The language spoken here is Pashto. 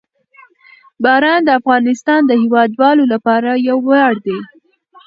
باران د افغانستان د هیوادوالو لپاره یو ویاړ دی.